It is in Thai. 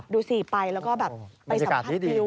ดูสิไปแล้วก็แบบไปสัมพันธ์วิวมันยากาศดีดี